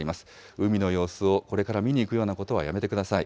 海の様子をこれから見に行くようなことはやめてください。